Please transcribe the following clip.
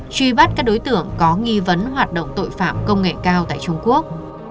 truy bắt các đối tượng có nghi vấn hoạt động tội phạm công nghệ cao tại trung quốc